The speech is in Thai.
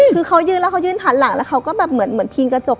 คือเขายืนแล้วเขายืนหันหลังแล้วเขาก็แบบเหมือนพิงกระจก